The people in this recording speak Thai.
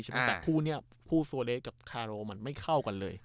แต่คู่นี้คู่โซเลสกับคาโรมันไม่เข้ากันเลย